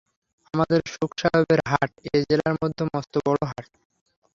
আমাদের শুকসায়রের হাট এ জেলার মধ্যে মস্ত বড়ো হাট।